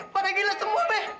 parah gila semua be